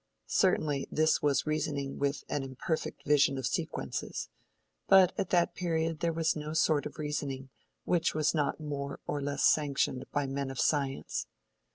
(Certainly, this was reasoning with an imperfect vision of sequences. But at that period there was no sort of reasoning which was not more or less sanctioned by men of science.)